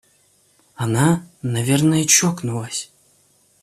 Она, наверное, чокнулась.